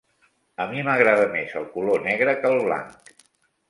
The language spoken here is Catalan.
A mi m'agrada més el color negre que el blanc.